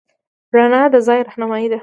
رڼا د ځای رهنما ده.